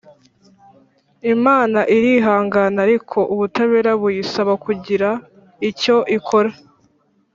Imana irihangana ariko ubutabera buyisaba kugira icyo ikora